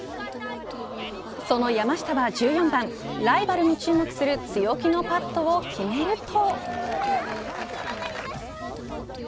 その山下は１４番ライバルも注目する強気のパットを決めると。